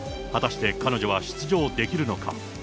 果たして彼女は出場できるのか。